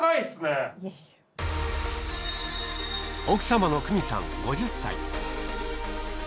奥様の玖美さん５０歳。